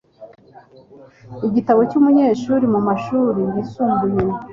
Igitabo cy'umunyeshuri mumashuri yisumbuye